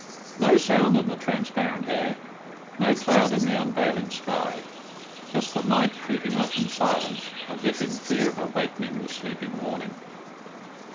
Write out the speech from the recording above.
No sound in the transparent air, no cloud in the unveiling sky; just the night creeping off in silence as if in fear of awakening the sleeping morning.